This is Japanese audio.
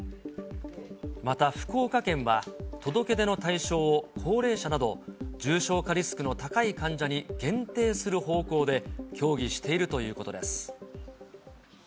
また、福岡県は届け出の対象を、高齢者など重症化リスクの高い患者に限定する方向で協議しているということです。